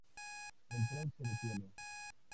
El tren se detiene.